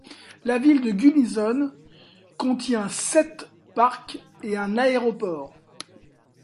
La ville de Gunnison contient sept parcs et un aéroport.